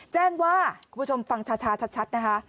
แจ้งว่าคุณผู้ชมฟังชาชัดนะคะ